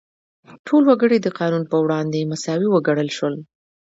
ټول وګړي د قانون په وړاندې مساوي وګڼل شول.